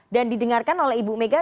dan didengarkan oleh ibu megawati